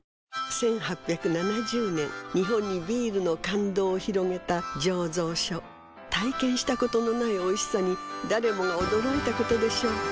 １８７０年日本にビールの感動を広げた醸造所体験したことのないおいしさに誰もが驚いたことでしょう